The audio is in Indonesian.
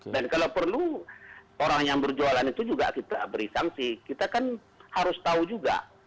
dan kalau perlu orang yang berjualan itu juga kita beri sanksi kita kan harus tahu juga